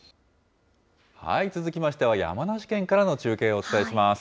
続きましては、山梨県からの中継をお伝えします。